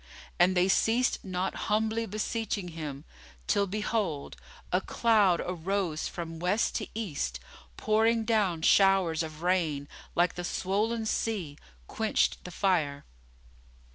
And they ceased not humbly beseeching Him till, behold, a cloud arose from West to East and, pouring down showers of rain, like the swollen sea, quenched the fire.